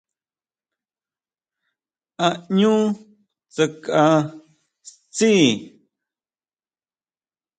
A ʼñú tsakʼa tsjí?